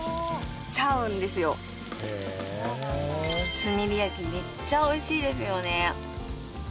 炭火焼めっちゃおいしいですよね。